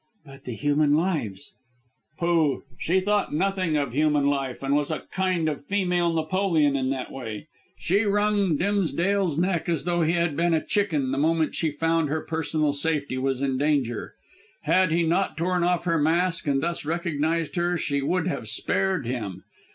"But the human lives " "Pooh! She thought nothing of human life, and was a kind of female Napoleon in that way. She wrung Dimsdale's neck as though he had been a chicken the moment she found her personal safety was in danger. Had he not torn off her mask and thus recognised her she would have spared him.